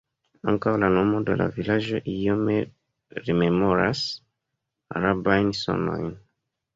Ankaŭ la nomo de la vilaĝo iome rememoras arabajn sonojn.